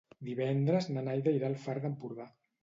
Divendres na Nàdia irà al Far d'Empordà.